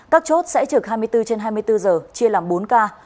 các chốt sẽ trực hai mươi bốn trên hai mươi bốn giờ chia làm bốn ca